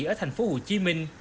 ở thành phố hồ chí minh